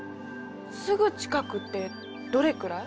すぐ近くってどれくらい？